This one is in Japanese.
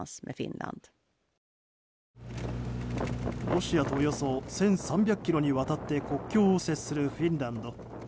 ロシアとおよそ１３００ｋｍにわたって国境を接するフィンランド。